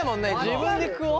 自分で食おう。